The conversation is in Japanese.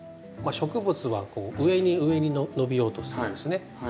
植物は上に上に伸びようとするんですね。